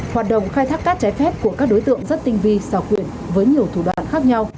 hoạt động khai thác cát trái phép của các đối tượng rất tinh vi xào quyệt với nhiều thủ đoạn khác nhau